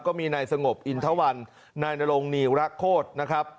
ก็มีนายสงบอินทวันนายนรงนีระโคตรนะครับ